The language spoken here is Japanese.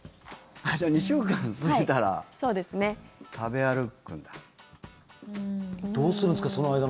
じゃあ、２週間過ぎたら食べ歩くんだ。